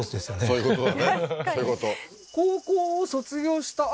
そういうことだね